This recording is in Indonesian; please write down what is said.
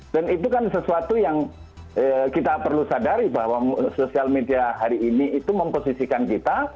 dan itu kan sesuatu yang kita perlu sadari bahwa sosial media hari ini itu memposisikan kita